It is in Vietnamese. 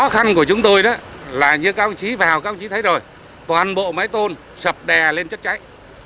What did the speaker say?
trước đó vào các ông chí thấy rồi toàn bộ máy tôn sập đè lên chất cháy